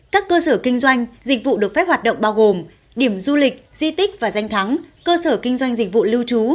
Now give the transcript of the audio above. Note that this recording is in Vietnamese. các cơ sở kinh doanh dịch vụ được phép hoạt động bao gồm điểm du lịch di tích và danh thắng cơ sở kinh doanh dịch vụ lưu trú